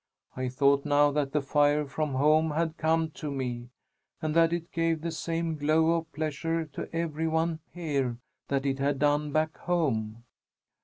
I thought now that the fire from home had come to me and that it gave the same glow of pleasure to every one here that it had done back home."